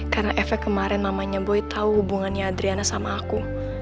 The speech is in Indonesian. karena efek kemarin mamanya boy tau hubungannya adriana sama aku